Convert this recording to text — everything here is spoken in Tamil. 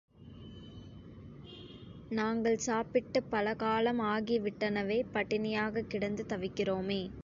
நாங்கள் சாப்பிட்டுப் பல காலம் ஆகி விட்டனவே, பட்டினியாகக் கிடந்து தவிக்கிறோமே!